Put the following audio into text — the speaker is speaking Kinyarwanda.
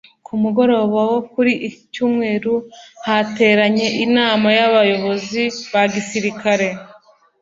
Ku mugoroba wo kuri iki Cyumweru hateranye inama y’abayobozi ba gisirikare